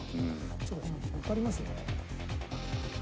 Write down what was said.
ちょっと引っ張りますね。